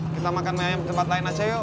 kita makan di tempat lain aja yuk